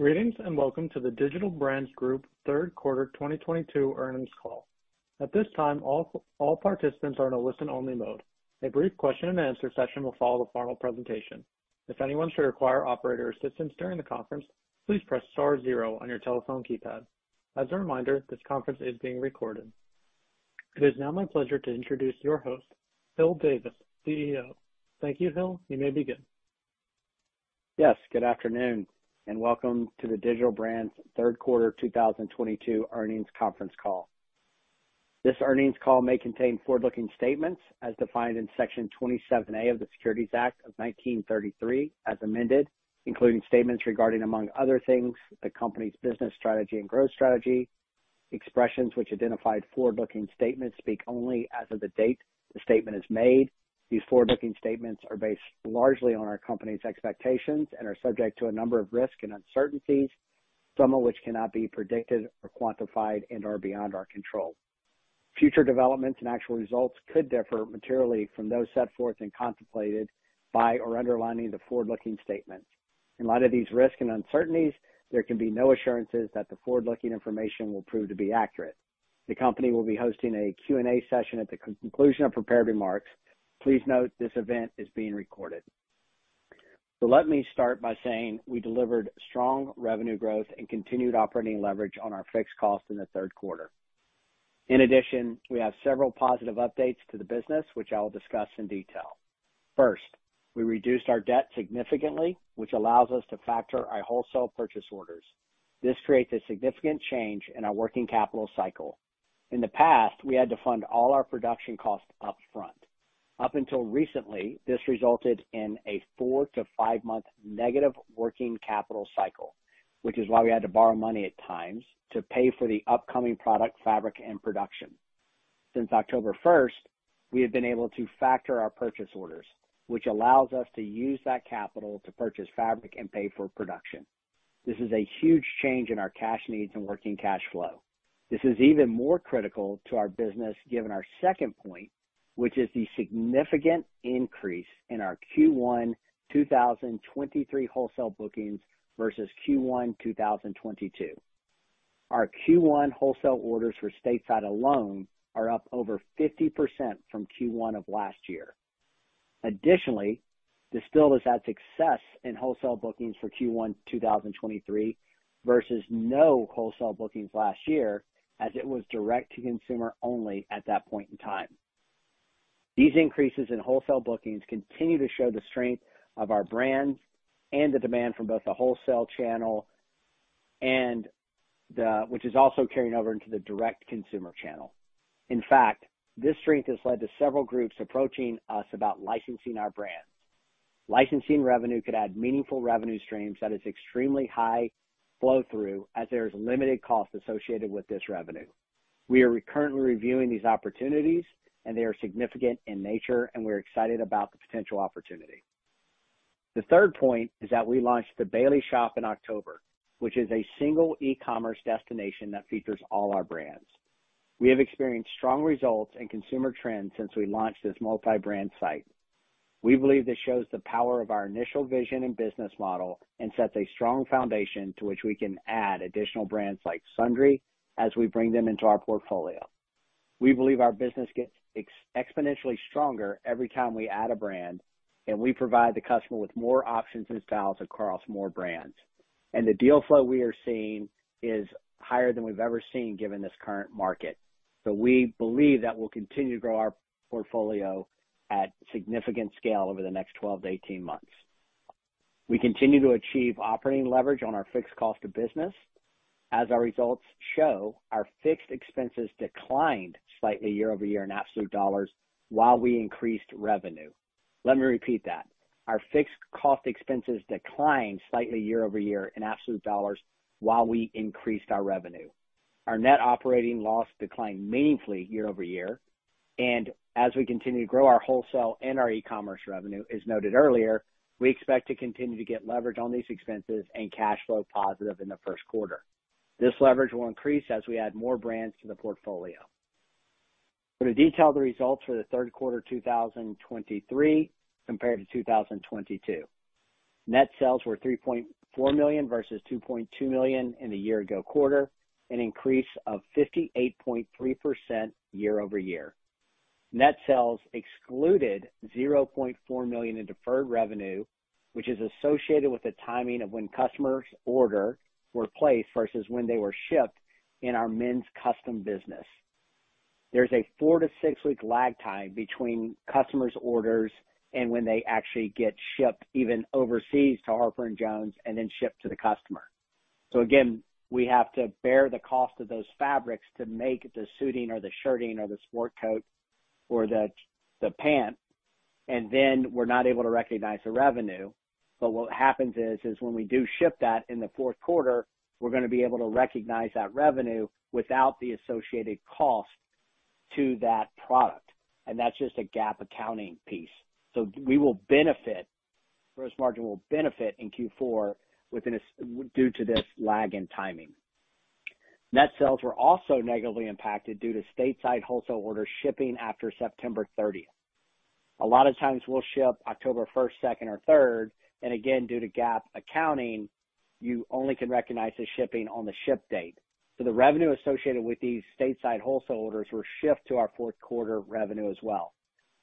Greetings, and welcome to the Digital Brands Group Third Quarter 2022 Earnings Call. At this time, all participants are in a listen-only mode. A brief question-and-answer session will follow the formal presentation. If anyone should require operator assistance during the conference, please press star zero on your telephone keypad. As a reminder, this conference is being recorded. It is now my pleasure to introduce your host, Hil Davis, CEO. Thank you, Hil. You may begin. Yes, good afternoon, and welcome to the Digital Brands Group Third Quarter 2022 Earnings Conference Call. This earnings call may contain forward-looking statements as defined in Section 27A of the Securities Act of 1933, as amended, including statements regarding, among other things, the company's business strategy and growth strategy. Expressions which identified forward-looking statements speak only as of the date the statement is made. These forward-looking statements are based largely on our company's expectations and are subject to a number of risks and uncertainties, some of which cannot be predicted or quantified and are beyond our control. Future developments and actual results could differ materially from those set forth and contemplated by or underlying the forward-looking statement. In light of these risks and uncertainties, there can be no assurances that the forward-looking information will prove to be accurate. The company will be hosting a Q&A session at the conclusion of prepared remarks. Please note this event is being recorded. Let me start by saying we delivered strong revenue growth and continued operating leverage on our fixed cost in the third quarter. In addition, we have several positive updates to the business, which I will discuss in detail. First, we reduced our debt significantly, which allows us to factor our wholesale purchase orders. This creates a significant change in our working capital cycle. In the past, we had to fund all our production costs upfront. Up until recently, this resulted in a four to five month negative working capital cycle, which is why we had to borrow money at times to pay for the upcoming product fabric and production. Since October 1st, we have been able to factor our purchase orders, which allows us to use that capital to purchase fabric and pay for production. This is a huge change in our cash needs and working cash flow. This is even more critical to our business, given our second point, which is the significant increase in our Q1 2023 wholesale bookings versus Q1 2022. Our Q1 wholesale orders for Stateside alone are up over 50% from Q1 of last year. Additionally, DSTLD has had success in wholesale bookings for Q1 2023 versus no wholesale bookings last year as it was direct-to-consumer only at that point in time. These increases in wholesale bookings continue to show the strength of our brands and the demand from both the wholesale channel, which is also carrying over into the direct-to-consumer channel. In fact, this strength has led to several groups approaching us about licensing our brands. Licensing revenue could add meaningful revenue streams that is extremely high flow through as there is limited cost associated with this revenue. We are currently reviewing these opportunities, and they are significant in nature, and we're excited about the potential opportunity. The third point is that we launched The Bailey Shop in October, which is a single e-commerce destination that features all our brands. We have experienced strong results and consumer trends since we launched this multi-brand site. We believe this shows the power of our initial vision and business model and sets a strong foundation to which we can add additional brands like Sundry as we bring them into our portfolio. We believe our business gets exponentially stronger every time we add a brand, and we provide the customer with more options and styles across more brands. The deal flow we are seeing is higher than we've ever seen given this current market. We believe that we'll continue to grow our portfolio at significant scale over the next 12-18 months. We continue to achieve operating leverage on our fixed cost of business. As our results show, our fixed expenses declined slightly year-over-year in absolute dollars while we increased revenue. Let me repeat that. Our fixed cost expenses declined slightly year-over-year in absolute dollars while we increased our revenue. Our net operating loss declined meaningfully year-over-year. As we continue to grow our wholesale and our e-commerce revenue, as noted earlier, we expect to continue to get leverage on these expenses and cash flow positive in the first quarter. This leverage will increase as we add more brands to the portfolio. To detail the results for the third quarter 2023 compared to 2022. Net sales were $3.4 million versus $2.2 million in the year-ago quarter, an increase of 58.3% year-over-year. Net sales excluded $0.4 million in deferred revenue, which is associated with the timing of when customers' orders were placed versus when they were shipped in our men's custom business. There's a four to six week lag time between customers' orders and when they actually get shipped even overseas to Harper & Jones and then shipped to the customer. Again, we have to bear the cost of those fabrics to make the suiting or the shirting or the sport coat or the pant, and then we're not able to recognize the revenue. What happens is when we do ship that in the fourth quarter, we're gonna be able to recognize that revenue without the associated cost to that product. That's just a GAAP accounting piece. We will benefit. Gross margin will benefit in Q4 within this due to this lag in timing. Net sales were also negatively impacted due to Stateside wholesale orders shipping after September 30. A lot of times we'll ship October 1st, 2nd, or 3rd, and again, due to GAAP accounting, you only can recognize the shipping on the ship date. The revenue associated with these Stateside wholesale orders were shipped to our fourth quarter revenue as well.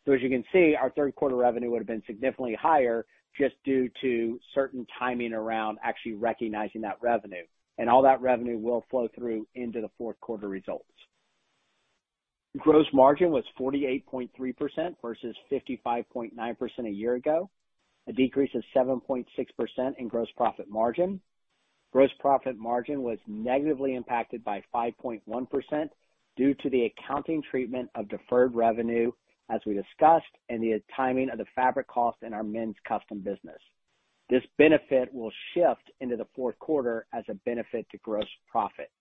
As you can see, our third quarter revenue would have been significantly higher just due to certain timing around actually recognizing that revenue, and all that revenue will flow through into the fourth quarter results. Gross margin was 48.3% versus 55.9% a year ago, a decrease of 7.6% in gross profit margin. Gross profit margin was negatively impacted by 5.1% due to the accounting treatment of deferred revenue, as we discussed, and the timing of the fabric cost in our men's custom business. This benefit will shift into the fourth quarter as a benefit to gross profit.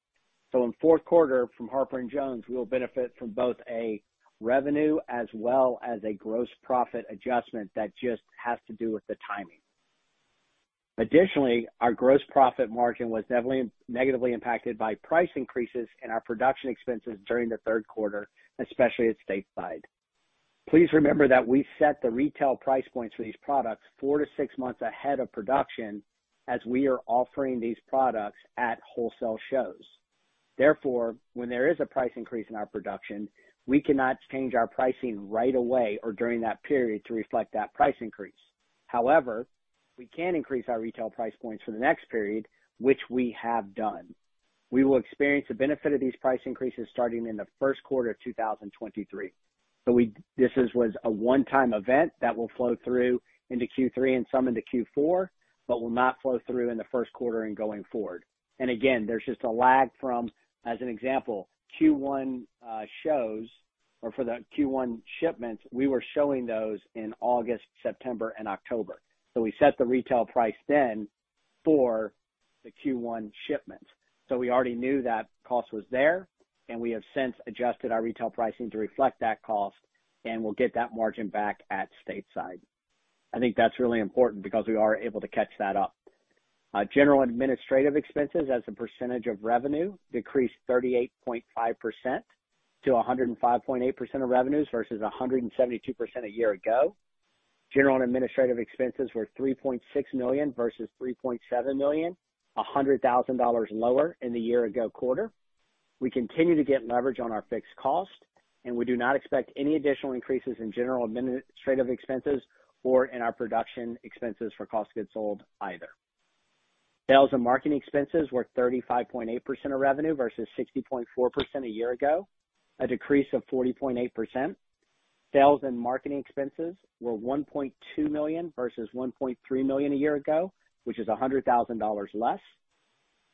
In fourth quarter from Harper & Jones, we will benefit from both a revenue as well as a gross profit adjustment that just has to do with the timing. Additionally, our gross profit margin was definitely negatively impacted by price increases in our production expenses during the third quarter, especially at Stateside. Please remember that we set the retail price points for these products four to six months ahead of production as we are offering these products at wholesale shows. Therefore, when there is a price increase in our production, we cannot change our pricing right away or during that period to reflect that price increase. However, we can increase our retail price points for the next period, which we have done. We will experience the benefit of these price increases starting in the first quarter of 2023. This was a one-time event that will flow through into Q3 and some into Q4, but will not flow through in the first quarter and going forward. Again, there's just a lag from, as an example, Q1 shows or for the Q1 shipments, we were showing those in August, September, and October. We set the retail price then for the Q1 shipments. We already knew that cost was there, and we have since adjusted our retail pricing to reflect that cost, and we'll get that margin back at Stateside. I think that's really important because we are able to catch that up. Our general and administrative expenses as a percentage of revenue decreased 38.5% to 105.8% of revenues versus 172% a year ago. General and administrative expenses were $3.6 million versus $3.7 million, $100,000 lower in the year ago quarter. We continue to get leverage on our fixed cost, and we do not expect any additional increases in general administrative expenses or in our production expenses for cost of goods sold either. Sales and marketing expenses were 35.8% of revenue versus 60.4% a year ago, a decrease of 40.8%. Sales and marketing expenses were $1.2 million versus $1.3 million a year ago, which is $100,000 less.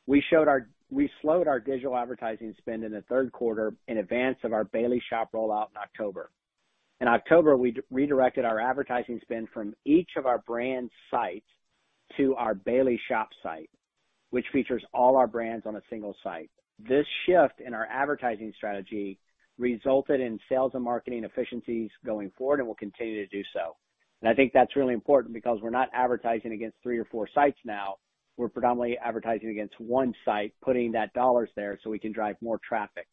We slowed our digital advertising spend in the third quarter in advance of our Bailey Shop rollout in October. In October, we redirected our advertising spend from each of our brand sites to our Bailey Shop site, which features all our brands on a single site. This shift in our advertising strategy resulted in sales and marketing efficiencies going forward and will continue to do so. I think that's really important because we're not advertising against three or four sites now. We're predominantly advertising against one site, putting those dollars there so we can drive more traffic.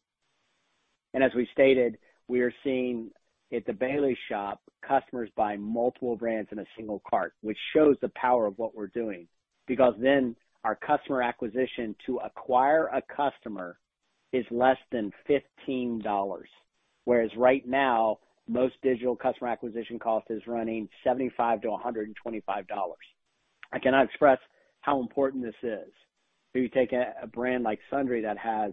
As we stated, we are seeing at the Bailey Shop, customers buy multiple brands in a single cart, which shows the power of what we're doing. Because then our customer acquisition cost to acquire a customer is less than $15. Whereas right now, most digital customer acquisition cost is running $75-$125. I cannot express how important this is. If you take a brand like Sundry that has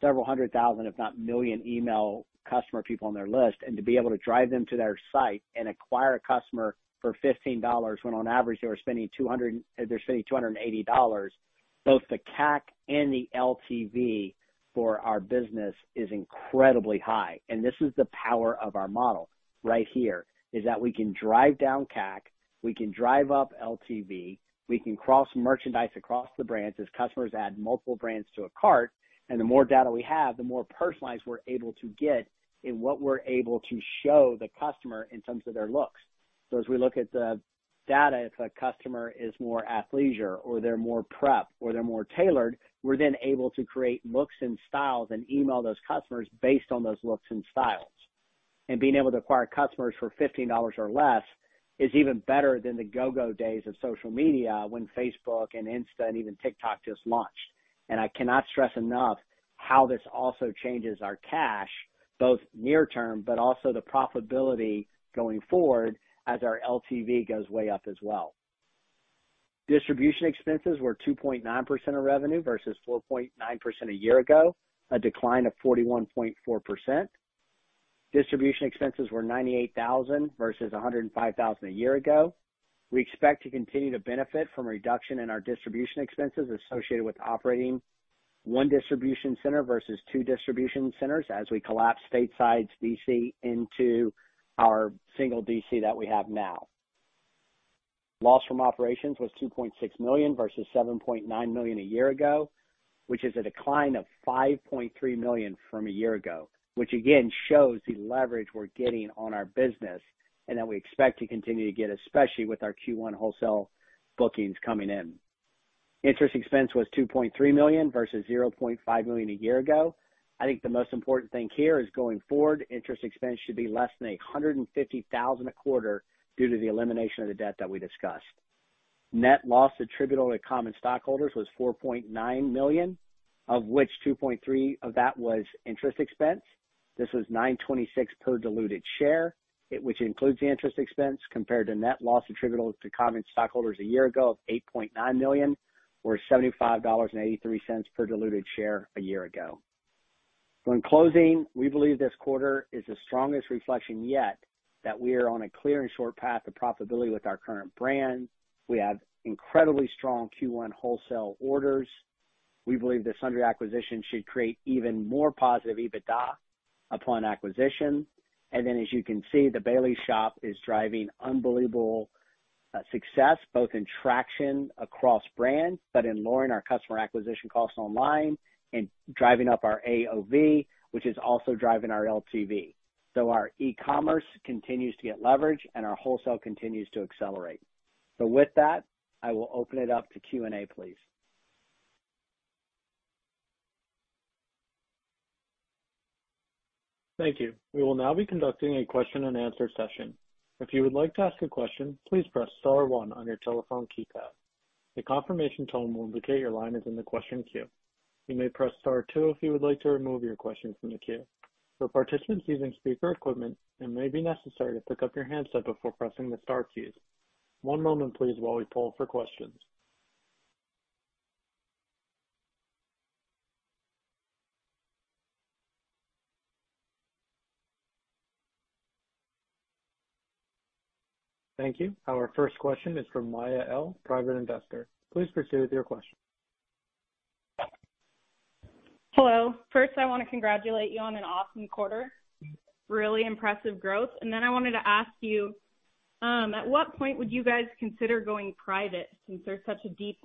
several hundred thousand, if not a million email customer people on their list, and to be able to drive them to their site and acquire a customer for $15, when on average, they were spending $200—they're spending $280, both the CAC and the LTV for our business is incredibly high. This is the power of our model right here, is that we can drive down CAC, we can drive up LTV, we can cross merchandise across the brands as customers add multiple brands to a cart. The more data we have, the more personalized we're able to get in what we're able to show the customer in terms of their looks. As we look at the data, if a customer is more athleisure or they're more prep or they're more tailored, we're then able to create looks and styles and email those customers based on those looks and styles. Being able to acquire customers for $15 or less is even better than the go-go days of social media when Facebook and Insta and even TikTok just launched. I cannot stress enough how this also changes our cash, both near term, but also the profitability going forward as our LTV goes way up as well. Distribution expenses were 2.9% of revenue versus 4.9% a year ago, a decline of 41.4%. Distribution expenses were $98,000 versus $105,000 a year ago. We expect to continue to benefit from a reduction in our distribution expenses associated with operating one distribution center versus two distribution centers as we collapse Stateside's DC into our single DC that we have now. Loss from operations was $2.6 million versus $7.9 million a year ago, which is a decline of $5.3 million from a year ago, which again shows the leverage we're getting on our business. That we expect to continue to get, especially with our Q1 wholesale bookings coming in. Interest expense was $2.3 million versus $0.5 million a year ago. I think the most important thing here is going forward, interest expense should be less than $150,000 a quarter due to the elimination of the debt that we discussed. Net loss attributable to common stockholders was $4.9 million, of which $2.3 million of that was interest expense. This was $9.26 per diluted share, which includes the interest expense compared to net loss attributable to common stockholders a year ago of $8.9 million, or $75.83 per diluted share a year ago. In closing, we believe this quarter is the strongest reflection yet that we are on a clear and short path to profitability with our current brand. We have incredibly strong Q1 wholesale orders. We believe the Sundry acquisition should create even more positive EBITDA upon acquisition. Then as you can see, the Bailey Shop is driving unbelievable success, both in traction across brands, but in lowering our customer acquisition costs online and driving up our AOV, which is also driving our LTV. Our e-commerce continues to get leverage and our wholesale continues to accelerate. With that, I will open it up to Q&A, please. Thank you. We will now be conducting a question-and-answer session. If you would like to ask a question, please press star one on your telephone keypad. A confirmation tone will indicate your line is in the question queue. You may press star two if you would like to remove your question from the queue. For participants using speaker equipment, it may be necessary to pick up your handset before pressing the star keys. One moment, please, while we poll for questions. Thank you. Our first question is from Maya L, Private Investor. Please proceed with your question. Hello. First, I want to congratulate you on an awesome quarter. Really impressive growth. Then I wanted to ask you, at what point would you guys consider going private since there's such a deep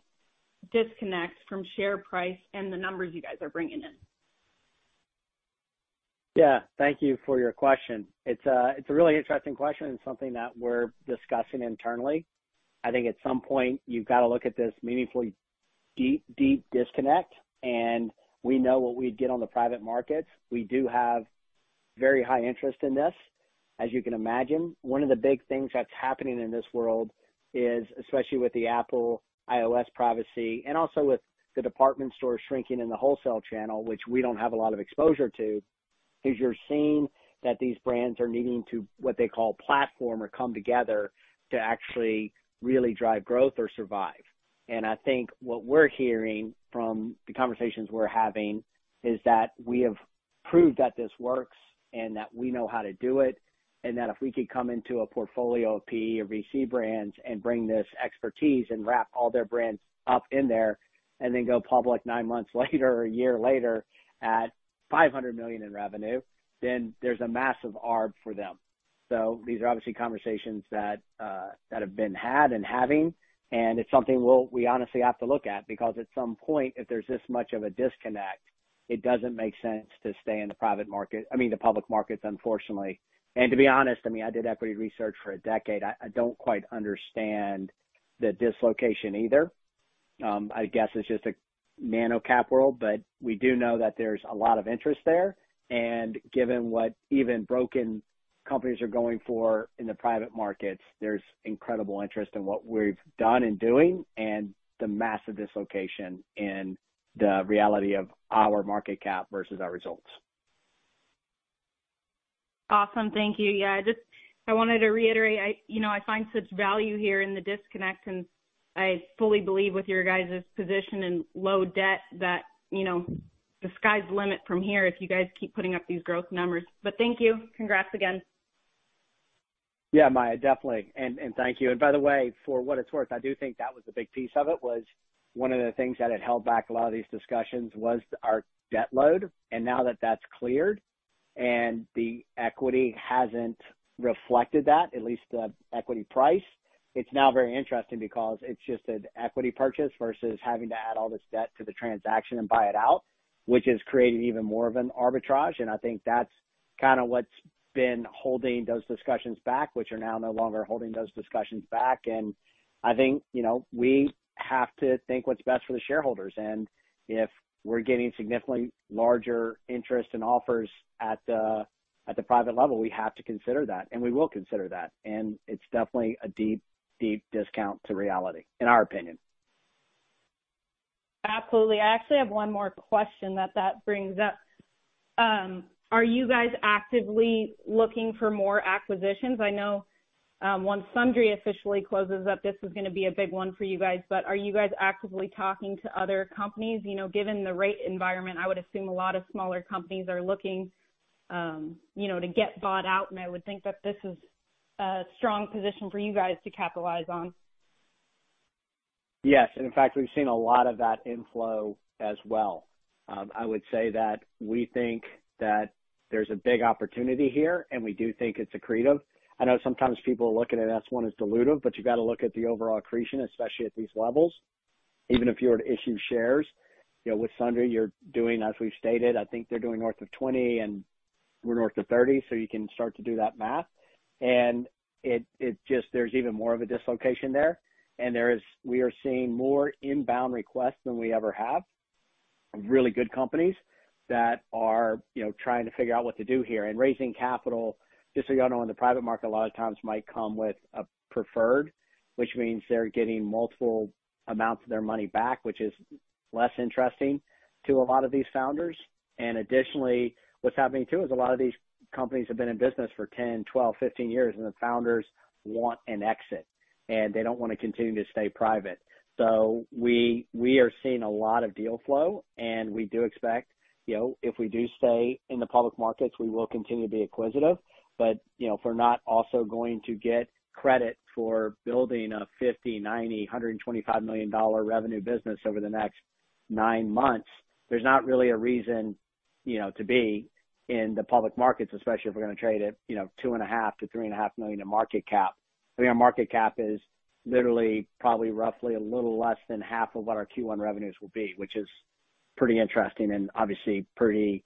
disconnect from share price and the numbers you guys are bringing in? Yeah, thank you for your question. It's a really interesting question and something that we're discussing internally. I think at some point, you've got to look at this meaningfully deep, deep disconnect, and we know what we'd get on the private markets. We do have very high interest in this. As you can imagine, one of the big things that's happening in this world is, especially with the Apple iOS privacy and also with the department store shrinking in the wholesale channel, which we don't have a lot of exposure to, is you're seeing that these brands are needing to, what they call platform or come together to actually really drive growth or survive. I think what we're hearing from the conversations we're having is that we have proved that this works and that we know how to do it, and that if we could come into a portfolio of PE or VC brands and bring this expertise and wrap all their brands up in there and then go public nine months later or a year later at $500 million in revenue, then there's a massive arb for them. So these are obviously conversations that that have been had and having, and it's something we honestly have to look at, because at some point, if there's this much of a disconnect, it doesn't make sense to stay in the private market. I mean, the public markets, unfortunately. To be honest, I mean, I did equity research for a decade. I don't quite understand the dislocation either. I guess it's just a nano-cap world, but we do know that there's a lot of interest there. Given what even broken companies are going for in the private markets, there's incredible interest in what we've done and doing and the massive dislocation in the reality of our market cap versus our results. Awesome. Thank you. Yeah, I wanted to reiterate, I, you know, I find such value here in the disconnect, and I fully believe with your guys' position in low debt that, you know, the sky's the limit from here if you guys keep putting up these growth numbers. But thank you. Congrats again. Yeah, Maya, definitely. Thank you. By the way, for what it's worth, I do think that was a big piece of it, was one of the things that had held back a lot of these discussions was our debt load. Now that that's cleared and the equity hasn't reflected that, at least the equity price, it's now very interesting because it's just an equity purchase versus having to add all this debt to the transaction and buy it out, which is creating even more of an arbitrage, and I think that's kinda what's been holding those discussions back, which are now no longer holding those discussions back. I think, you know, we have to think what's best for the shareholders. If we're getting significantly larger interest and offers at the private level, we have to consider that, and we will consider that. It's definitely a deep, deep discount to reality, in our opinion. Absolutely. I actually have one more question that brings up. Are you guys actively looking for more acquisitions? I know, once Sundry officially closes up, this is gonna be a big one for you guys. But are you guys actively talking to other companies? You know, given the rate environment, I would assume a lot of smaller companies are looking, you know, to get bought out, and I would think that this is a strong position for you guys to capitalize on. Yes. In fact, we've seen a lot of that inflow as well. I would say that we think that there's a big opportunity here, and we do think it's accretive. I know sometimes people look at it as one is dilutive, but you gotta look at the overall accretion, especially at these levels. Even if you were to issue shares, you know, with Sundry, you're doing, as we've stated, I think they're doing north of 20, and we're north of 30. You can start to do that math. There's even more of a dislocation there. We are seeing more inbound requests than we ever have from really good companies that are, you know, trying to figure out what to do here. Raising capital, just so you all know, in the private market, a lot of times might come with a preferred, which means they're getting multiple amounts of their money back, which is less interesting to a lot of these founders. Additionally, what's happening, too, is a lot of these companies have been in business for 10, 12, 15 years, and the founders want an exit, and they don't want to continue to stay private. We are seeing a lot of deal flow, and we do expect, you know, if we do stay in the public markets, we will continue to be acquisitive. You know, if we're not also going to get credit for building a $50 million, $90 million, $100 million, and $125 million revenue business over the next nine months, there's not really a reason, you know, to be in the public markets, especially if we're going to trade at, you know, $2.5-$3.5 million in market cap. I mean, our market cap is literally probably roughly a little less than half of what our Q1 revenues will be, which is pretty interesting and obviously pretty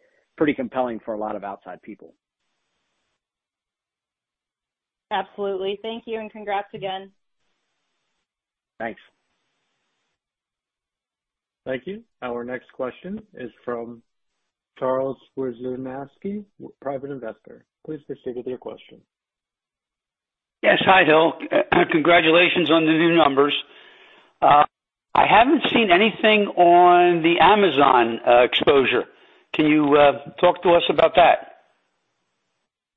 compelling for a lot of outside people. Absolutely. Thank you, and congrats again. Thanks. Thank you. Our next question is from Charles Wisniewski with Private Investor. Please proceed with your question. Yes. Hi, Hil. Congratulations on the new numbers. I haven't seen anything on the Amazon exposure. Can you talk to us about that?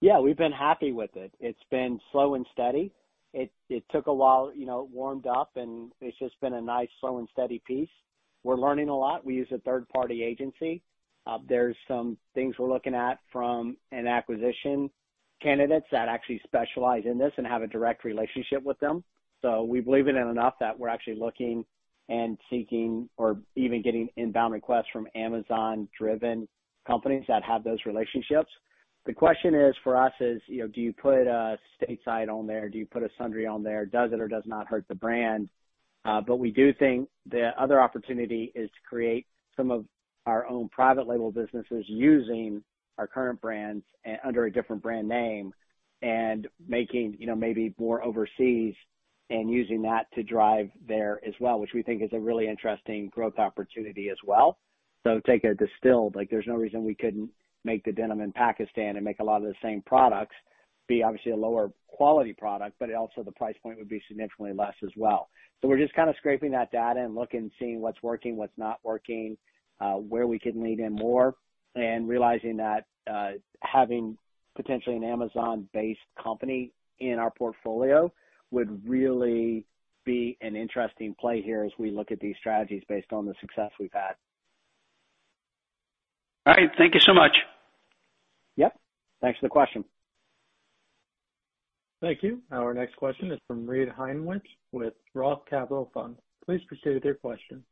Yeah, we've been happy with it. It's been slow and steady. It took a while, you know, it warmed up, and it's just been a nice slow and steady piece. We're learning a lot. We use a third-party agency. There's some things we're looking at from an acquisition candidates that actually specialize in this and have a direct relationship with them. So we believe in it enough that we're actually looking and seeking or even getting inbound requests from Amazon-driven companies that have those relationships. The question is, for us, you know, do you put a Stateside on there? Do you put a Sundry on there? Does it or does not hurt the brand? We do think the other opportunity is to create some of our own private label businesses using our current brands under a different brand name and making, you know, maybe more overseas and using that to drive there as well, which we think is a really interesting growth opportunity as well. Take a DSTLD. Like, there's no reason we couldn't make the denim in Pakistan and make a lot of the same products, but obviously a lower quality product, but also the price point would be significantly less as well. We're just kind of scraping that data and looking, seeing what's working, what's not working, where we could lean in more, and realizing that, having potentially an Amazon-based company in our portfolio would really be an interesting play here as we look at these strategies based on the success we've had. All right. Thank you so much. Yep. Thanks for the question. Thank you. Our next question is from Reid Heinrich with Roth Capital Fund. Please proceed with your question.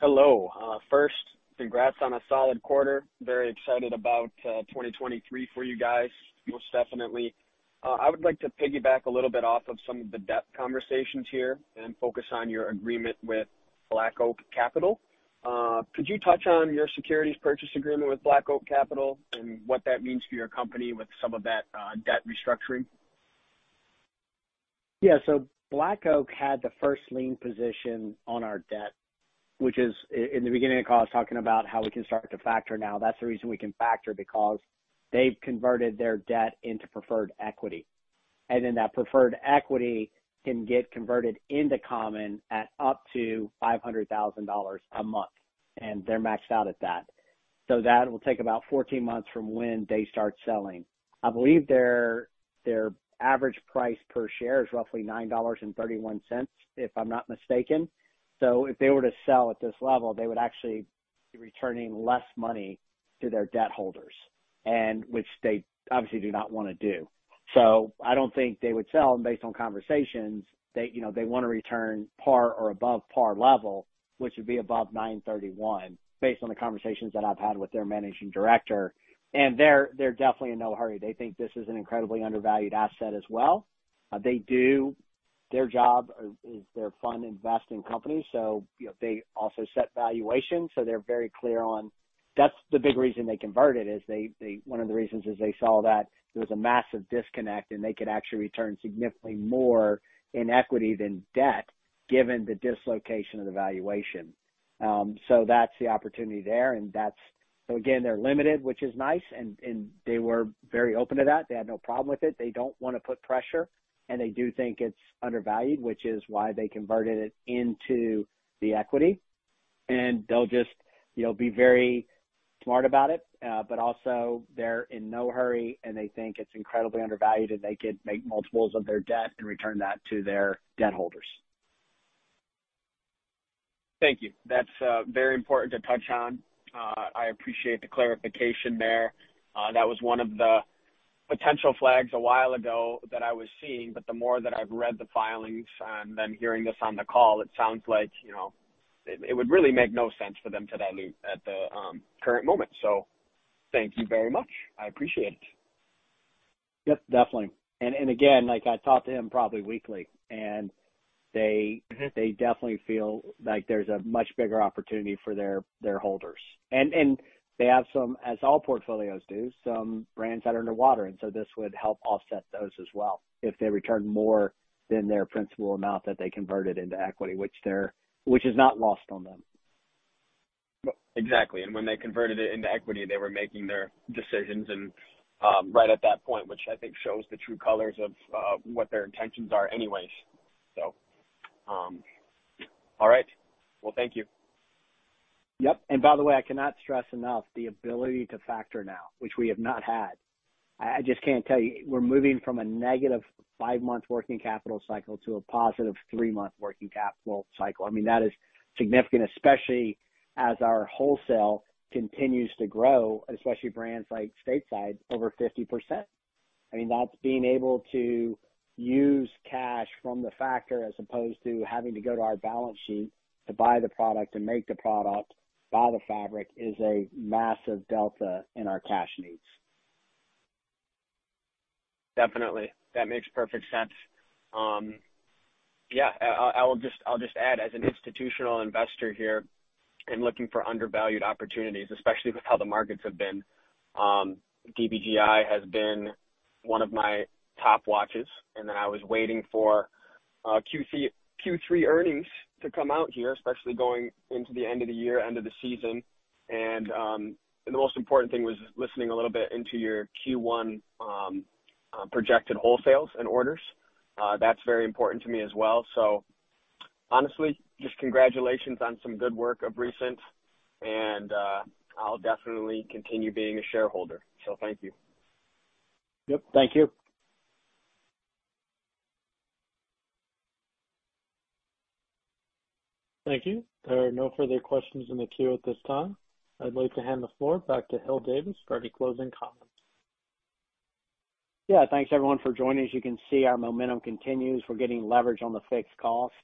Hello. First, congrats on a solid quarter. Very excited about 2023 for you guys, most definitely. I would like to piggyback a little bit off of some of the debt conversations here and focus on your agreement with Black Oak Capital. Could you touch on your securities purchase agreement with Black Oak Capital and what that means for your company with some of that debt restructuring? Yeah. Black Oak Capital had the first lien position on our debt, which is in the beginning of the call, I was talking about how we can start to factor now. That's the reason we can factor because they've converted their debt into preferred equity, and then that preferred equity can get converted into common at up to $500,000 a month, and they're maxed out at that. That will take about 14 months from when they start selling. I believe their average price per share is roughly $9.31, if I'm not mistaken. If they were to sell at this level, they would actually be returning less money to their debt holders, which they obviously do not wanna do. I don't think they would sell based on conversations. They, you know, they wanna return par or above par level, which would be above $9.31 based on the conversations that I've had with their managing director. They're definitely in no hurry. They think this is an incredibly undervalued asset as well. Their job is their fund invest in companies, so, you know, they also set valuation, so they're very clear on. That's the big reason they converted is they one of the reasons is they saw that there was a massive disconnect, and they could actually return significantly more in equity than debt given the dislocation of the valuation. That's the opportunity there. Again, they're limited, which is nice. They were very open to that. They had no problem with it. They don't wanna put pressure, and they do think it's undervalued, which is why they converted it into the equity. They'll just, you know, be very smart about it. They're in no hurry, and they think it's incredibly undervalued, and they could make multiples of their debt and return that to their debt holders. Thank you. That's very important to touch on. I appreciate the clarification there. That was one of the potential flags a while ago that I was seeing, but the more that I've read the filings and then hearing this on the call, it sounds like, you know, it would really make no sense for them to dilute at the current moment. So thank you very much. I appreciate it. Yep, definitely. Again, like I talk to him probably weekly, and they- Mm-hmm They definitely feel like there's a much bigger opportunity for their holders. They have some, as all portfolios do, some brands that are underwater, and so this would help offset those as well if they return more than their principal amount that they converted into equity, which is not lost on them. Exactly. When they converted it into equity, they were making their decisions and right at that point, which I think shows the true colors of what their intentions are anyways. All right. Well, thank you. Yep. By the way, I cannot stress enough the ability to factor now, which we have not had. I just can't tell you. We're moving from a negative five month working capital cycle to a positive three month working capital cycle. I mean, that is significant, especially as our wholesale continues to grow, especially brands like Stateside over 50%. I mean, that's being able to use cash from the factor as opposed to having to go to our balance sheet to buy the product and make the product, buy the fabric is a massive delta in our cash needs. Definitely. That makes perfect sense. Yeah, I will just add, as an institutional investor here and looking for undervalued opportunities, especially with how the markets have been, DBGI has been one of my top watches, and then I was waiting for Q3 earnings to come out here, especially going into the end of the year, end of the season. The most important thing was listening a little bit into your Q1 projected wholesales and orders. That's very important to me as well. Honestly, just congratulations on some good work of recent and I'll definitely continue being a shareholder. Thank you. Yep. Thank you. Thank you. There are no further questions in the queue at this time. I'd like to hand the floor back to Hil Davis for any closing comments. Yeah. Thanks everyone for joining. As you can see, our momentum continues. We're getting leverage on the fixed cost.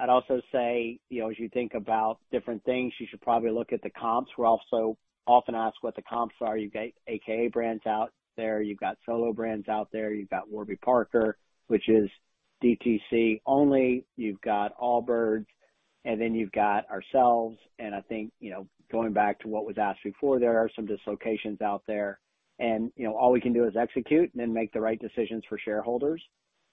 I'd also say, you know, as you think about different things, you should probably look at the comps. We're also often asked what the comps are. You've got a.k.a. Brands out there. You've got Solo Brands out there. You've got Warby Parker, which is DTC only. You've got Allbirds, and then you've got ourselves. I think, you know, going back to what was asked before, there are some dislocations out there and, you know, all we can do is execute and then make the right decisions for shareholders.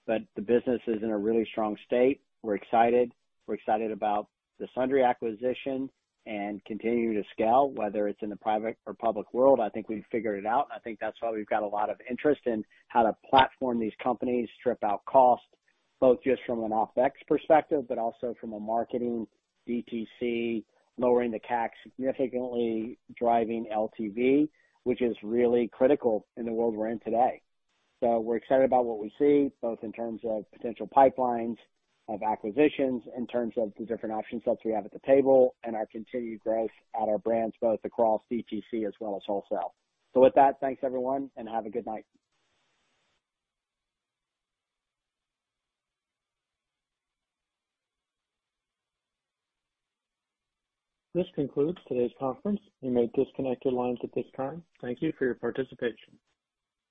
The business is in a really strong state. We're excited. We're excited about the Sundry acquisition and continuing to scale, whether it's in the private or public world, I think we've figured it out, and I think that's why we've got a lot of interest in how to platform these companies, strip out cost, both just from an OpEx perspective, but also from a marketing DTC, lowering the CAC significantly, driving LTV, which is really critical in the world we're in today. We're excited about what we see, both in terms of potential pipelines, of acquisitions, in terms of the different option sets we have at the table and our continued growth at our brands, both across DTC as well as wholesale. With that, thanks everyone, and have a good night. This concludes today's conference. You may disconnect your lines at this time. Thank you for your participation.